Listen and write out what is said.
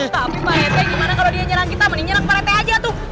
tapi pak rt gimana kalau dia nyerang kita mending nyerang pak rt aja tuh